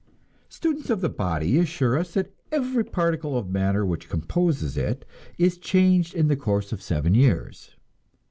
Students of the body assure us that every particle of matter which composes it is changed in the course of seven years.